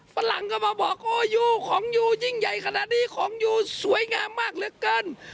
ฝรั่งก็มาบอกโอ้อยู่ของอยู่ยิ่งใหญ่ขนาดนี้ของอยู่สวยงามมากเหลือเกิน